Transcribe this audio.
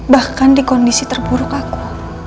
bahkan di kondisi terburuk aku